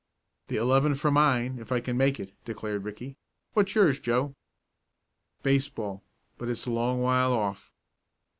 "The eleven for mine if I can make it!" declared Ricky. "What's yours, Joe?" "Baseball. But it's a long while off."